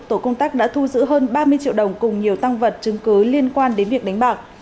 tổ công tác đã thu giữ hơn ba mươi triệu đồng cùng nhiều tăng vật chứng cứ liên quan đến việc đánh bạc